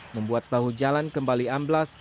membuat bahu jalan kembali amblas